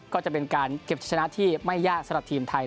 ก็จะเป็นการเก็บชนะที่ไม่ยากสำหรับทีมไทย